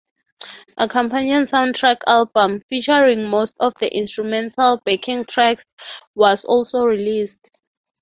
A companion soundtrack album, featuring most of the instrumental backing tracks, was also released.